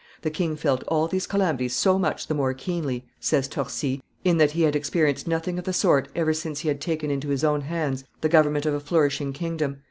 "The king felt all these calamities so much the more keenly," says Torcy, "in that he had experienced nothing of the sort ever since he had taken into his own hands the government of a flourishing kingdom.